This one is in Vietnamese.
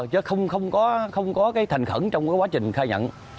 chứ không có cái thành khẩn trong quá trình khai nhận